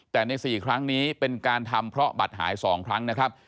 แต่ใน๔ครั้งนี้เป็นการทำเพราะบัตรหาย๒ครั้งนะครับ